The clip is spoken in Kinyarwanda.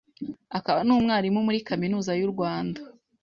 akaba n’umwarimu muri Kaminuza y’u Rwanda